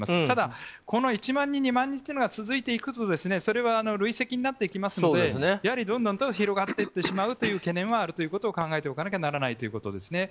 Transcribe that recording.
ただ、１万人、２万人というのが続いていくとそれは累積になっていきますのでやはりどんどんと広がっていってしまうという懸念があるということを考えておかなければならないということです。